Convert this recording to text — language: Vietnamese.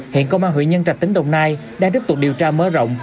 hiện công an huyện nhân trạch tính đồng nai đang tiếp tục điều tra mớ rộng